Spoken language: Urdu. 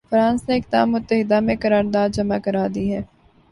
فرانس نے اقدام متحدہ میں قرارداد جمع کرا دی ہے۔